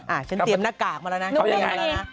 อ่ะฉันเตรียมหน้ากากมาแล้วนะ